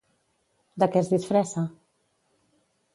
De què es disfressa?